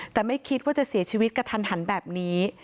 แต่ไม่คิดว่าจะเสียชีวิตกระทันหันแบบนี้